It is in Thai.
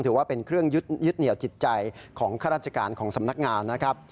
ถือว่าเป็นเครื่องยึดเหนียวจิตใจของข้าราชการของสำนักงานนะครับ